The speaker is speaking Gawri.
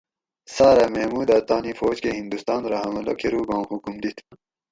ساۤرہ محمودہ تانی فوج کہ ھندوستاۤن رہ حملہ کۤروگاں حکم دِت